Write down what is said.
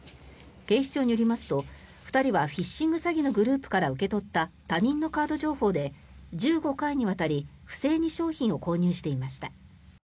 警視庁によりますと２人はフィッシング詐欺のグループから受け取った他人のカード情報で１５回にわたり不正に商品を購入していました。